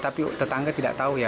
tapi tetangga tidak tahu ya